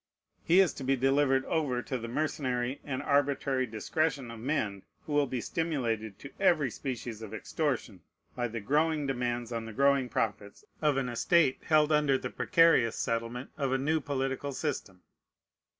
He is to be delivered over to the mercenary and arbitrary discretion of men who will be stimulated to every species of extortion by the growing demands on the growing profits of an estate held under the precarious settlement of a new political system.